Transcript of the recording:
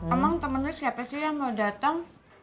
emang temennya siapa sih yang mau datang